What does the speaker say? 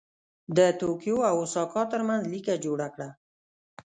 د توکیو او اوساکا ترمنځ لیکه جوړه کړه.